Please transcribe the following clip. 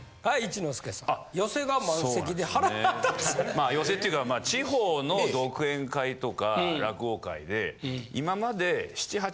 まあ寄席っていうか地方の独演会とか落語会で。